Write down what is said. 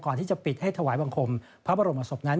ก่อนที่จะปิดให้ถวายบังคมพระบรมศพนั้น